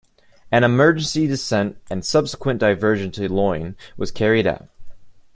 An emergency descent and subsequent diversion to Lyon was carried out.